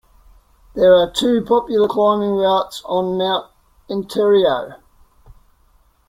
There are two popular climbing routes on Mount Antero.